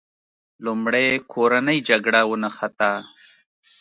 لومړی کورنۍ جګړه ونښته.